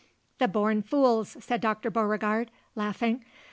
"The born fools!" said Dr. Beau regard, laughing.